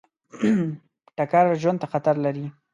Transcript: ټکر ژوند ته خطر لري.